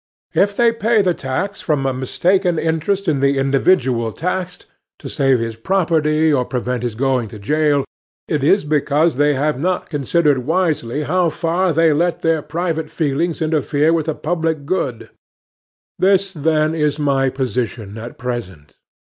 If they pay the tax from a mistaken interest in the individual taxed, to save his property or prevent his going to jail, it is because they have not considered wisely how far they let their private feelings interfere with the public good. This, then, is my position at present.